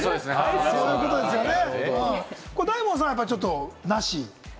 大門さんは、なし。